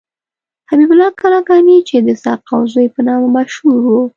حبیب الله کلکانی چې د سقاو زوی په نامه مشهور و.